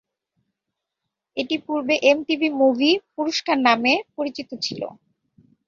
এটি পূর্বে MTV movie পুরস্কার নামে পরিচিত ছিল।